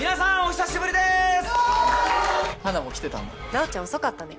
直ちゃん遅かったね。